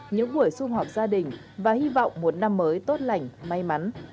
những buổi xung họp gia đình và hy vọng một năm mới tốt lành may mắn